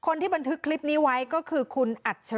คนที่บันทึกคลิปนี้ไว้ก็คือคุณอัจฉริย